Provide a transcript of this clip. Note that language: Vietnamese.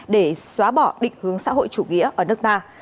để xóa bỏ định hướng xã hội chủ nghĩa ở nước ta